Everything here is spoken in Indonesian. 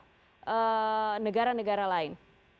dan bagaimana dengan negara negara lain